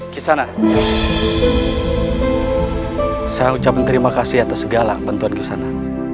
kisana saya ucapkan terima kasih atas segala kepentuan kisana